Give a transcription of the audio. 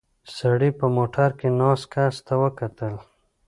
سړي په موټر کې ناست کس ته وکتل.